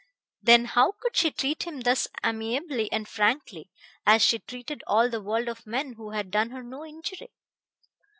Then how could she treat him thus amiably and frankly, as she treated all the world of men who had done her no injury?